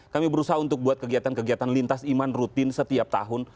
kami berusaha untuk buat kegiatan kegiatan lintas iman rutin setiap tahun